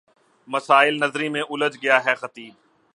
مسائل نظری میں الجھ گیا ہے خطیب